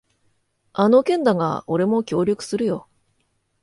あの件だが、俺も協力するよ。